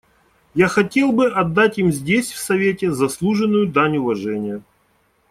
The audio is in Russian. Я хотел бы отдать им здесь, в Совете, заслуженную дань уважения.